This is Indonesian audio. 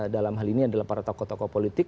dalam hal ini adalah para tokoh tokoh politik